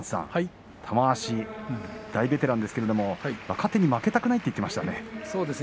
玉鷲、大ベテランですけど若手に負けたくないと言ってましたね。